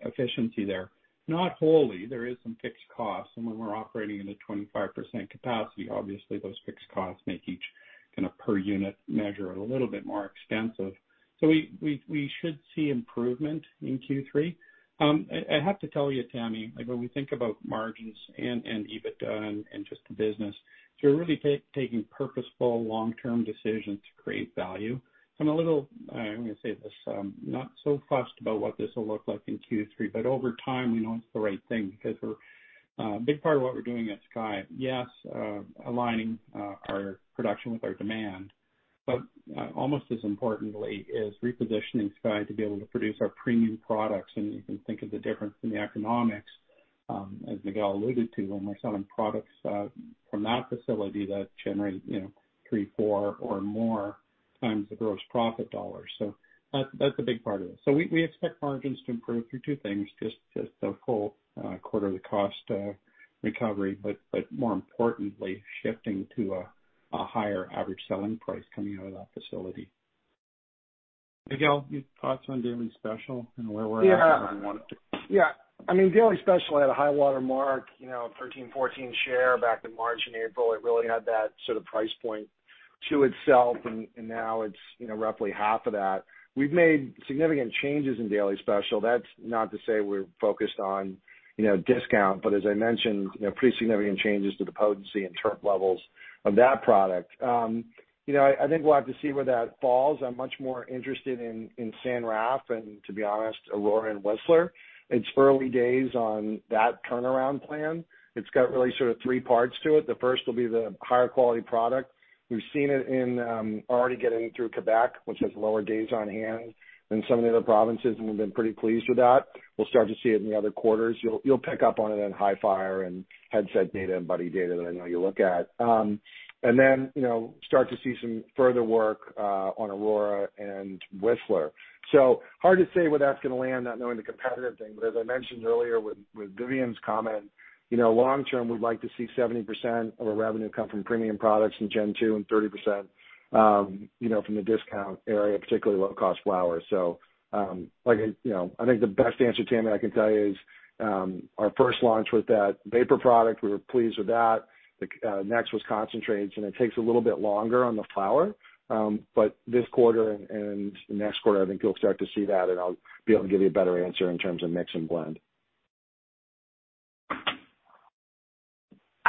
efficiency there. Not wholly. There is some fixed costs, and when we're operating at a 25% capacity, obviously those fixed costs make each kind of per-unit measure a little bit more expensive. So we should see improvement in Q3. I have to tell you, Tamy, when we think about margins and EBITDA and just the business, we're really taking purposeful long-term decisions to create value. So I'm a little, I'm going to say this, not so fussed about what this will look like in Q3, but over time, we know it's the right thing because a big part of what we're doing at Sky, yes, aligning our production with our demand, but almost as importantly is repositioning Sky to be able to produce our premium products. You can think of the difference in the economics, as Miguel alluded to, when we're selling products from that facility that generate three, four, or more times the gross profit dollars. That's a big part of it. We expect margins to improve through two things, just the full quarter of the cost recovery, but more importantly, shifting to a higher average selling price coming out of that facility. Miguel, your thoughts on Daily Special and where we're at and what? Yeah. I mean, Daily Special had a high watermark, 13%-14% share back in March and April. It really had that sort of price point to itself, and now it's roughly half of that. We've made significant changes in Daily Special. That's not to say we're focused on discount, but as I mentioned, pretty significant changes to the potency and THC levels of that product. I think we'll have to see where that falls. I'm much more interested in San Raf and, to be honest, Aurora and Whistler. It's early days on that turnaround plan. It's got really sort of three parts to it. The first will be the higher quality product. We've seen it in already getting through Quebec, which has lower days on hand than some of the other provinces, and we've been pretty pleased with that. We'll start to see it in the other quarters. You'll pick up on it in Hifyre and Headset data and Buddi data that I know you look at. And then start to see some further work on Aurora and Whistler. So hard to say where that's going to land, not knowing the competitive thing, but as I mentioned earlier with Vivien's comment, long term, we'd like to see 70% of our revenue come from premium products in Gen 2 and 30% from the discount area, particularly low-cost flowers. So I think the best answer, Tamy, I can tell you, is our first launch with that vapor product. We were pleased with that. The next was concentrates, and it takes a little bit longer on the flower, but this quarter and next quarter, I think you'll start to see that, and I'll be able to give you a better answer in terms of mix and blend.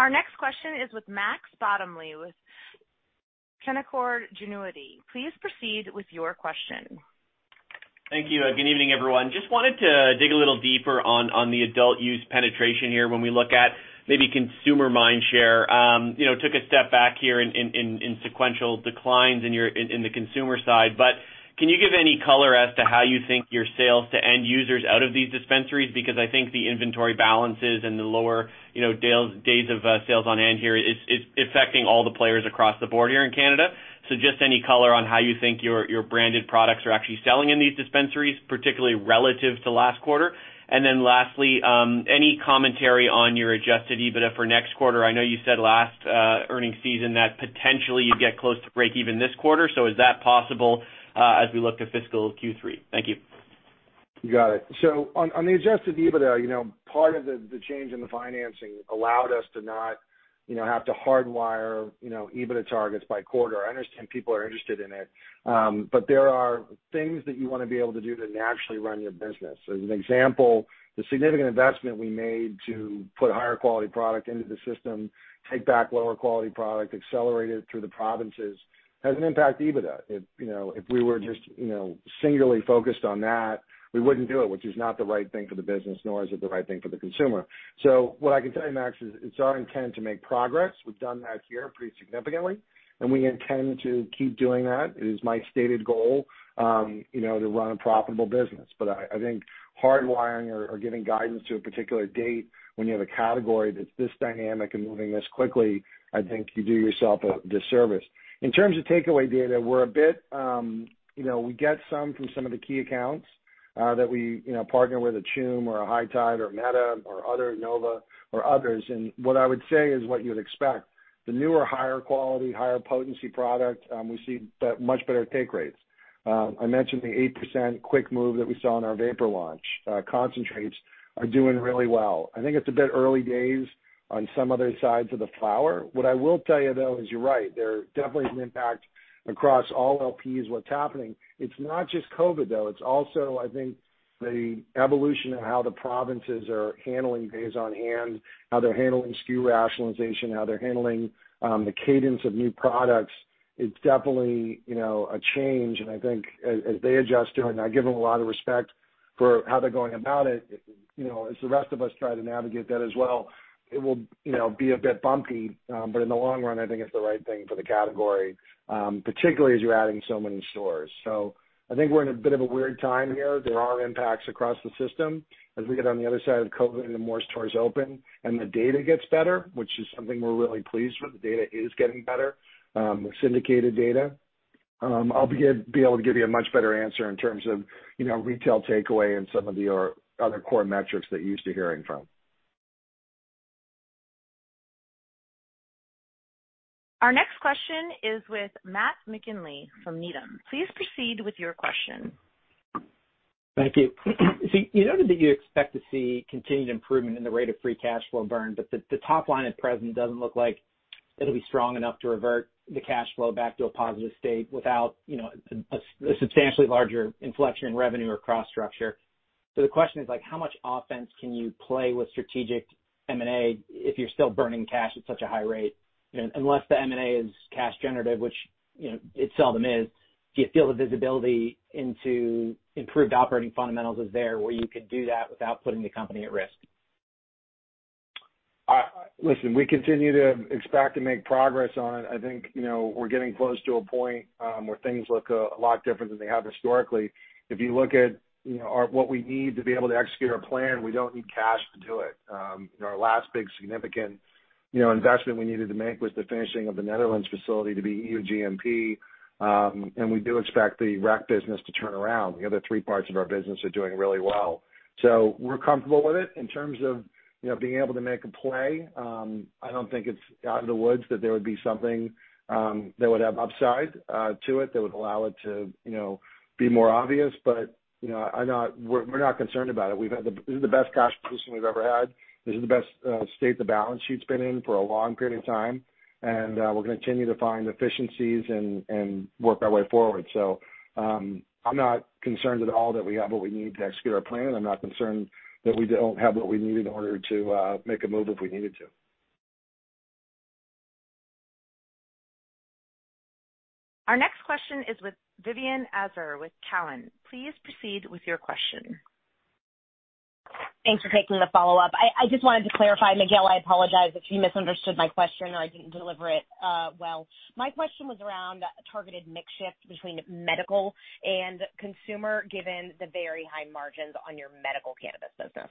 Our next question is with Matt Bottomley with Canaccord Genuity. Please proceed with your question. Thank you. Good evening, everyone. Just wanted to dig a little deeper on the adult use penetration here when we look at maybe consumer mind share. Took a step back here in sequential declines in the consumer side, but can you give any color as to how you think your sales to end users out of these dispensaries? Because I think the inventory balances and the lower days of sales on hand here is affecting all the players across the board here in Canada. So just any color on how you think your branded products are actually selling in these dispensaries, particularly relative to last quarter. And then lastly, any commentary on your Adjusted EBITDA for next quarter? I know you said last earnings season that potentially you'd get close to break even this quarter. So is that possible as we look to fiscal Q3? Thank you. You got it. So on the Adjusted EBITDA, part of the change in the financing allowed us to not have to hardwire EBITDA targets by quarter. I understand people are interested in it, but there are things that you want to be able to do to naturally run your business. As an example, the significant investment we made to put higher quality product into the system, take back lower quality product, accelerate it through the provinces, has an impact on EBITDA. If we were just singularly focused on that, we wouldn't do it, which is not the right thing for the business, nor is it the right thing for the consumer. So what I can tell you, Matt, is it's our intent to make progress. We've done that here pretty significantly, and we intend to keep doing that. It is my stated goal to run a profitable business, but I think hardwiring or giving guidance to a particular date when you have a category that's this dynamic and moving this quickly, I think you do yourself a disservice. In terms of takeaway data, we get some from some of the key accounts that we partner with, a Choom or a High Tide or a Meta or other Nova or others. What I would say is what you would expect. The newer higher quality, higher potency product, we see much better take rates. I mentioned the 8% quick move that we saw in our vapor launch. Concentrates are doing really well. I think it's a bit early days on some other sides of the flower. What I will tell you, though, is you're right. There definitely is an impact across all LPs, what's happening. It's not just COVID, though. It's also, I think, the evolution of how the provinces are handling days on hand, how they're handling SKU rationalization, how they're handling the cadence of new products. It's definitely a change, and I think as they adjust to it, and I give them a lot of respect for how they're going about it, as the rest of us try to navigate that as well, it will be a bit bumpy, but in the long run, I think it's the right thing for the category, particularly as you're adding so many stores. So I think we're in a bit of a weird time here. There are impacts across the system as we get on the other side of COVID and the more stores open, and the data gets better, which is something we're really pleased with. The data is getting better, the syndicated data. I'll be able to give you a much better answer in terms of retail takeaway and some of the other core metrics that you're used to hearing from. Our next question is with Matt McGinley from Needham. Please proceed with your question. Thank you. So you noted that you expect to see continued improvement in the rate of free cash flow burn, but the top line at present doesn't look like it'll be strong enough to revert the cash flow back to a positive state without a substantially larger inflection in revenue or cost structure. So the question is, how much offense can you play with strategic M&A if you're still burning cash at such a high rate? Unless the M&A is cash generative, which it seldom is, do you feel the visibility into improved operating fundamentals is there where you could do that without putting the company at risk? Listen, we continue to expect to make progress on it. I think we're getting close to a point where things look a lot different than they have historically. If you look at what we need to be able to execute our plan, we don't need cash to do it. Our last big significant investment we needed to make was the finishing of the Netherlands facility to be EU GMP, and we do expect the rec business to turn around. The other three parts of our business are doing really well, so we're comfortable with it. In terms of being able to make a play, I don't think it's out of the woods that there would be something that would have upside to it that would allow it to be more obvious, but we're not concerned about it. This is the best cash position we've ever had. This is the best state the balance sheet's been in for a long period of time, and we're going to continue to find efficiencies and work our way forward. So I'm not concerned at all that we have what we need to execute our plan. I'm not concerned that we don't have what we need in order to make a move if we needed to. Our next question is with Vivien Azer with Cowen. Please proceed with your question. Thanks for taking the follow-up. I just wanted to clarify, Miguel, I apologize if you misunderstood my question or I didn't deliver it well. My question was around targeted mix shift between medical and consumer given the very high margins on your medical cannabis business.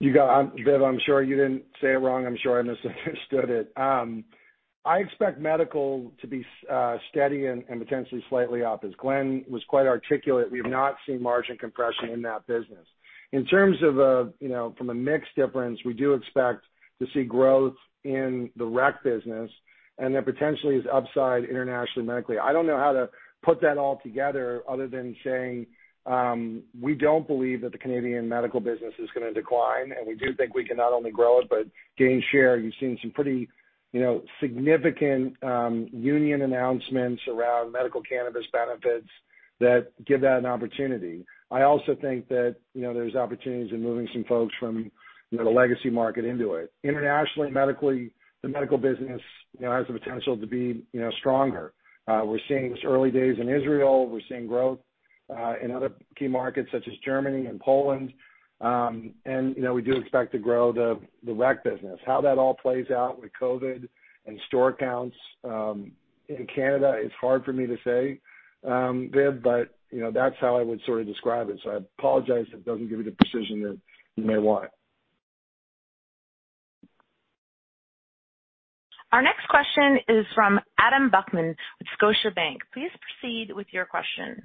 You got it. I'm sure you didn't say it wrong. I'm sure I misunderstood it. I expect medical to be steady and potentially slightly up, as Glen was quite articulate. We have not seen margin compression in that business. In terms of from a mix difference, we do expect to see growth in the rec business and there potentially is upside internationally medically. I don't know how to put that all together other than saying we don't believe that the Canadian medical business is going to decline, and we do think we can not only grow it but gain share. You've seen some pretty significant union announcements around medical cannabis benefits that give that an opportunity. I also think that there's opportunities in moving some folks from the legacy market into it. Internationally, medically, the medical business has the potential to be stronger. We're seeing early days in Israel. We're seeing growth in other key markets such as Germany and Poland, and we do expect to grow the rec business. How that all plays out with COVID and store counts in Canada is hard for me to say, Viv, but that's how I would sort of describe it. So I apologize if it doesn't give you the precision that you may want. Our next question is from Adam Buckman with Scotiabank. Please proceed with your question.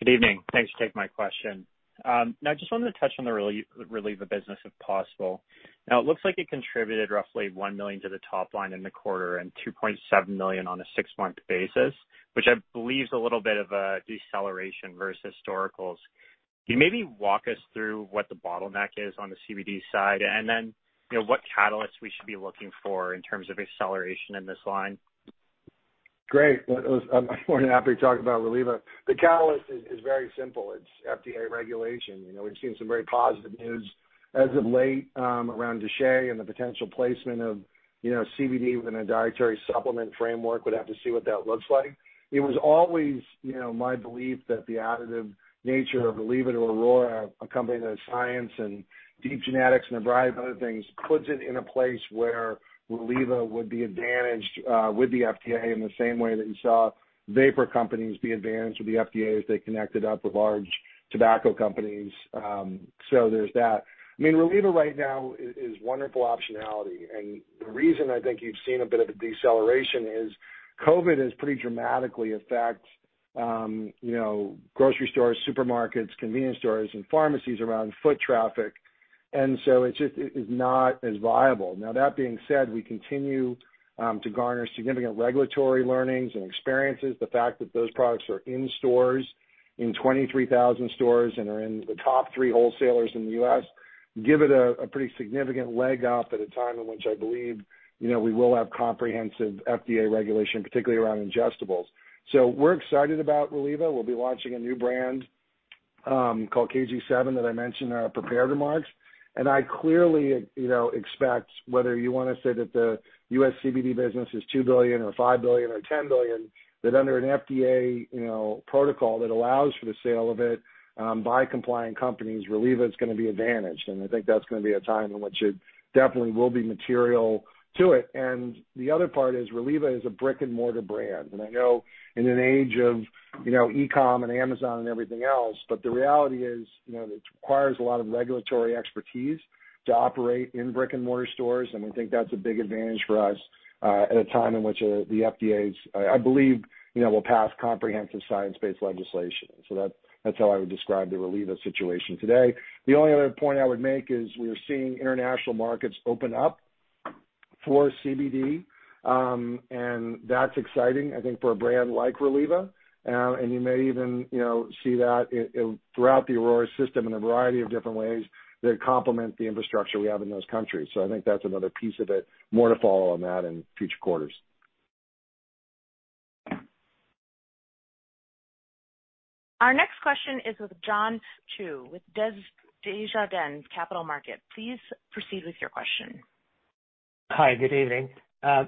Good evening. Thanks for taking my question. Now, I just wanted to touch on the Reliva business if possible. Now, it looks like it contributed roughly 1 million to the top line in the quarter and 2.7 million on a six-month basis, which I believe is a little bit of a deceleration versus historicals. Can you maybe walk us through what the bottleneck is on the CBD side and then what catalysts we should be looking for in terms of acceleration in this line? Great. I'm more than happy to talk about Reliva. The catalyst is very simple. It's FDA regulation. We've seen some very positive news as of late around DSHEA and the potential placement of CBD within a dietary supplement framework. We'd have to see what that looks like. It was always my belief that the additive nature of Reliva to Aurora, a company that has science and deep genetics and a variety of other things, puts it in a place where Reliva would be advantaged with the FDA in the same way that you saw vapor companies be advantaged with the FDA as they connected up with large tobacco companies. So there's that. I mean, Reliva right now is wonderful optionality, and the reason I think you've seen a bit of a deceleration is COVID has pretty dramatically affected grocery stores, supermarkets, convenience stores, and pharmacies around foot traffic, and so it's just not as viable. Now, that being said, we continue to garner significant regulatory learnings and experiences. The fact that those products are in stores, in 23,000 stores, and are in the top three wholesalers in the U.S. gives it a pretty significant leg up at a time in which I believe we will have comprehensive FDA regulation, particularly around ingestibles. So we're excited about Reliva. We'll be launching a new brand called KG7 that I mentioned in our prepared remarks, and I clearly expect whether you want to say that the US CBD business is $2 billion or $5 billion or $10 billion, that under an FDA protocol that allows for the sale of it by compliant companies, Reliva is going to be advantaged. I think that's going to be a time in which it definitely will be material to it. The other part is Reliva is a brick-and-mortar brand. I know in an age of e-comm and Amazon and everything else, but the reality is it requires a lot of regulatory expertise to operate in brick-and-mortar stores, and we think that's a big advantage for us at a time in which the FDA, I believe, will pass comprehensive science-based legislation. That's how I would describe the Reliva situation today. The only other point I would make is we are seeing international markets open up for CBD, and that's exciting, I think, for a brand like Reliva. You may even see that throughout the Aurora system in a variety of different ways that complement the infrastructure we have in those countries. So I think that's another piece of it, more to follow on that in future quarters. Our next question is with John Chu with Desjardins Capital Markets. Please proceed with your question. Hi, good evening. I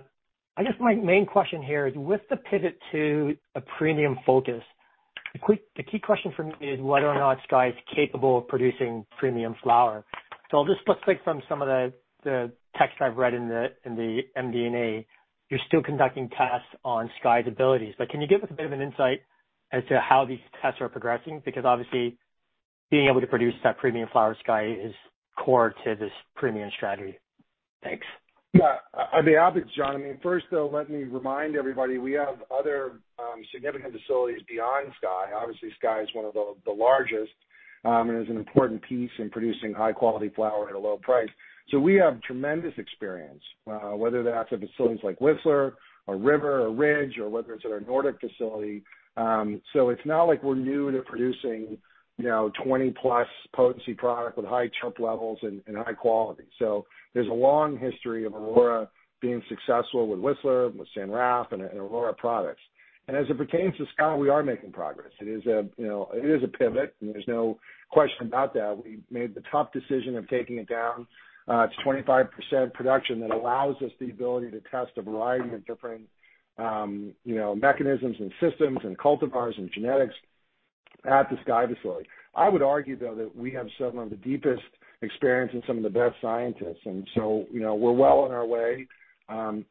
guess my main question here is with the pivot to a premium focus, the key question for me is whether or not Sky is capable of producing premium flower. So I'll just stick with some of the text I've read in the MD&A. You're still conducting tests on Sky's abilities, but can you give us a bit of an insight as to how these tests are progressing? Because obviously, being able to produce that premium flower Sky is core to this premium strategy. Thanks. Yeah. I'll be happy, John. I mean, first, though, let me remind everybody we have other significant facilities beyond Sky. Obviously, Sky is one of the largest and is an important piece in producing high-quality flower at a low price. So we have tremendous experience, whether that's at facilities like Whistler or River or Ridge or whether it's at our Nordic facility. So it's not like we're new to producing 20-plus potency products with high terp levels and high quality. So there's a long history of Aurora being successful with Whistler, with San Raf, and Aurora products. As it pertains to Sky, we are making progress. It is a pivot, and there's no question about that. We made the tough decision of taking it down to 25% production that allows us the ability to test a variety of different mechanisms and systems and cultivars and genetics at the Sky facility. I would argue, though, that we have some of the deepest experience and some of the best scientists, and so we're well on our way to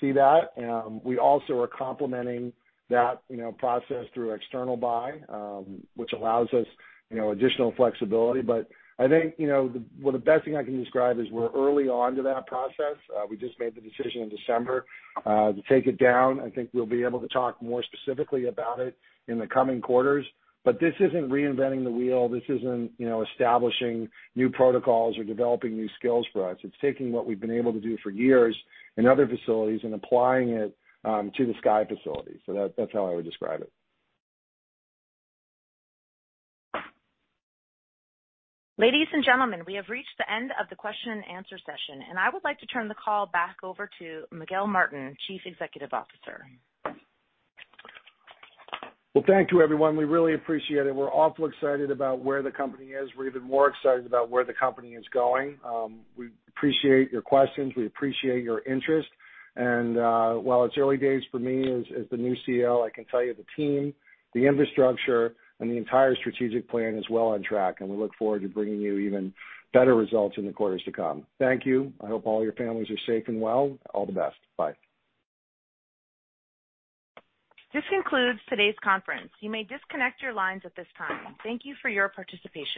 see that. We also are complementing that process through external buy, which allows us additional flexibility. But I think the best thing I can describe is we're early on to that process. We just made the decision in December to take it down. I think we'll be able to talk more specifically about it in the coming quarters, but this isn't reinventing the wheel. This isn't establishing new protocols or developing new skills for us. It's taking what we've been able to do for years in other facilities and applying it to the Sky facility. So that's how I would describe it. Ladies and gentlemen, we have reached the end of the question and answer session, and I would like to turn the call back over to Miguel Martin, Chief Executive Officer. Well, thank you, everyone. We really appreciate it. We're awfully excited about where the company is. We're even more excited about where the company is going. We appreciate your questions. We appreciate your interest. And while it's early days for me as the new CEO, I can tell you the team, the infrastructure, and the entire strategic plan is well on track, and we look forward to bringing you even better results in the quarters to come. Thank you. I hope all your families are safe and well. All the best. Bye. This concludes today's conference. You may disconnect your lines at this time. Thank you for your participation.